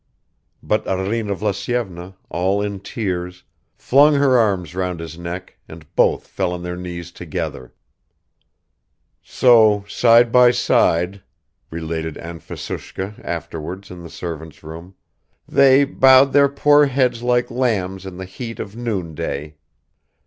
But Arina Vlasyevna, all in tears, flung her arms round his neck and both fell on their knees together. "So side by side," related Anfisushka afterwards in the servants' room, "they bowed their poor heads like lambs in the heat of noon day.